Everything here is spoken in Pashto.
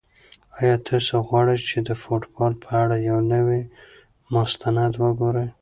آیا تاسو غواړئ چې د فوټبال په اړه یو نوی مستند وګورئ؟